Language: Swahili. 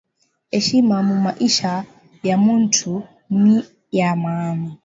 Eshima mumaisha ya muntu niya maana